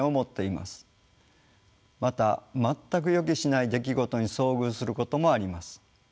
また全く予期しない出来事に遭遇することもあります。